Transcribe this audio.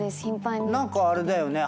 何かあれだよね。